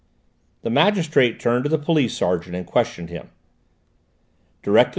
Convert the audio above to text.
The magistrate turned to the police sergeant and questioned him. "Directly M.